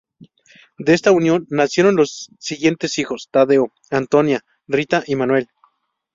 De esta unión nacieron los siguientes hijos: Tadeo, Antonia, Rita y Manuel.